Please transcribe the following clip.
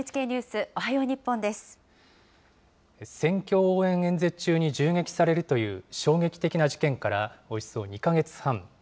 選挙応援演説中に銃撃されるという衝撃的な事件からおよそ２か月半。